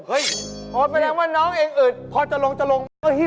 เข้าบางครับผมบางอะไร